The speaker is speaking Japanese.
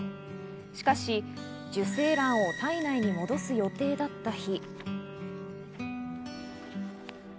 しかし受精卵を体内に戻す予定だった日。